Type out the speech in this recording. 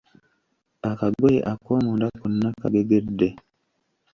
Akagoye akomunda konna kagegedde.